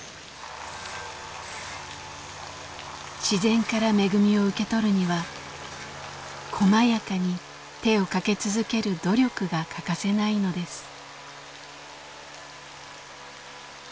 自然から恵みを受け取るには細やかに手をかけ続ける努力が欠かせないのです。